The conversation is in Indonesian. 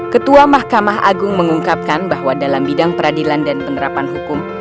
ketua mahkamah agung mengungkapkan bahwa dalam bidang peradilan dan penerapan hukum